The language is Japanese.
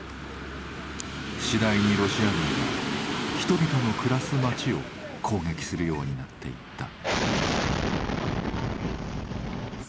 次第にロシア軍は人々の暮らす街を攻撃するようになっていった。